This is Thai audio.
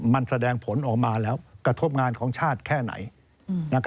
มันแสดงผลออกมาแล้วกระทบงานของชาติแค่ไหน